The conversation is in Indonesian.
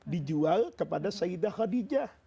dijual kepada sayyidah khadijah